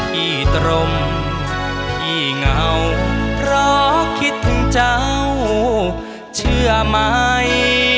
พี่ตรงพี่เหงาเพราะคิดถึงเจ้าเชื่อไหม